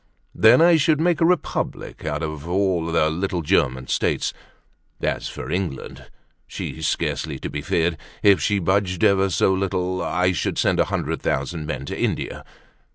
Then I should make a republic out of all the little German states. As for England, she's scarcely to be feared; if she budged ever so little I should send a hundred thousand men to India.